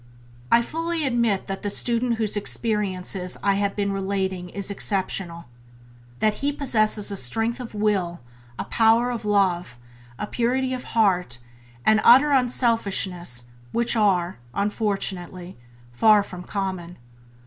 I fully admit that the student whose experiences I have been relating is exceptional — that he possesses a strength of will, a power of love, a purity of heart and an utter unselfishness which are, unfortunately, far from common.